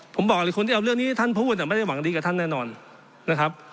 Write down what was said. ผมบอกเลยคนที่เอาเรื่องนี้ให้ท่านพูดไม่ได้หวังดีกับท่านแน่นอนนะครับ